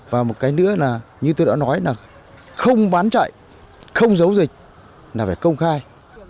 và một cái nữa là như tôi đã nói là không bán chạy không giấu dịch là phải công khai